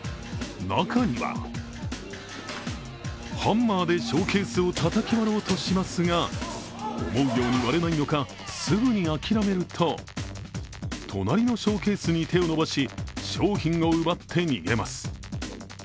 中にはハンマーでショーケースをたたき割ろうとしますが思うように割れないのかすぐに諦めると、隣のショーケースに手を伸ばし、商品を奪って逃げます。